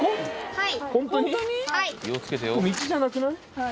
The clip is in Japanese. はい。